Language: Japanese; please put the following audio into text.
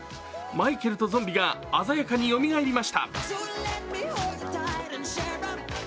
マイケルとゾンビが鮮やかによみがえりました。